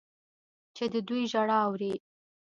چې د دوی ژړا اوري.